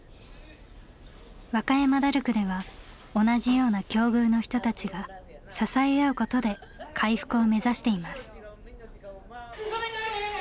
和歌山ダルクでは同じような境遇の人たちが支え合うことで回復を目指しています。